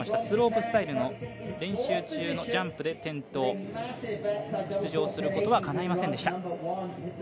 スロープスタイルの練習中のジャンプで転倒、出場することはかないませんでした。